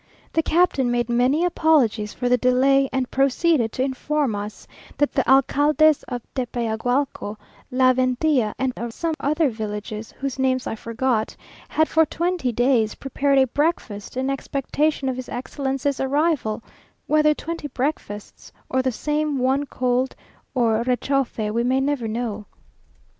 The captain made many apologies for the delay, and proceeded to inform us that the alcaldes of Tepeyagualco, La Ventilla, and of some other villages, whose names I forget, had for twenty days prepared a breakfast in expectation of his Excellency's arrival: whether twenty breakfasts, or the same one cold, or réchauffé, we may never know.